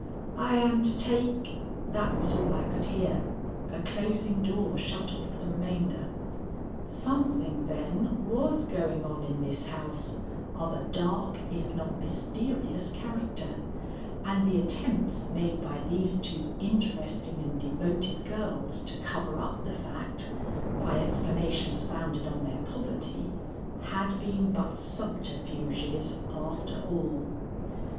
"I am to take " That was all I could hear; a closing door shut off the remainder. Something, then, was going on in this house, of a dark if not mysterious character, and the attempts made by these two interesting and devoted girls to cover up the fact, by explanations founded on their poverty, had been but subterfuges after all.